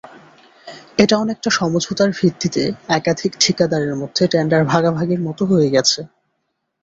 এটা অনেকটা সমঝোতার ভিত্তিতে একাধিক ঠিকাদারের মধ্যে টেন্ডার ভাগাভাগির মতো হয়ে গেছে।